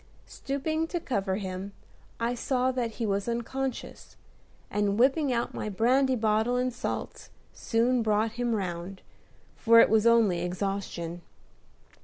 Stooping to cover him, I saw that he was unconscious, and, whipping out my brandy bottle and salts, soon brought him round, for it was only exhaustion.